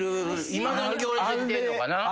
いまだに行列できてんのかな。